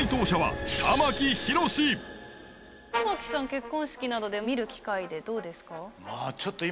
結婚式などで見る機会でどうですか？